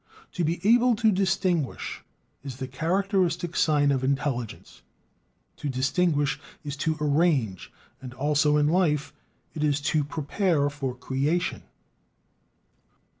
"To be able to distinguish" is the characteristic sign of intelligence: to distinguish is to arrange and also, in life, it is to prepare for "creation."